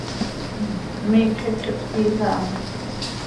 Miicx iicx ihpsiij aha.